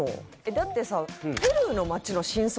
だってさ